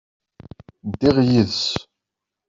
Ddiɣ yid-s.